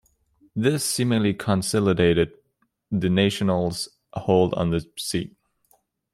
This seemingly consolidated the Nationals' hold on the seat.